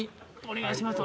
お願いします。